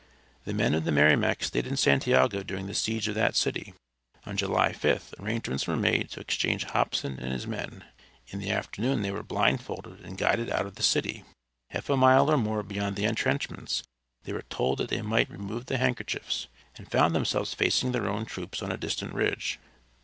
The men of the Merrimac stayed in Santiago during the siege of that city. On July 5th arrangements were made to exchange Hobson and his men. In the afternoon they were blindfolded and guided out of the city. Half a mile or more beyond the entrenchments they were told that they might remove the handkerchiefs, and found themselves facing their own troops on a distant ridge.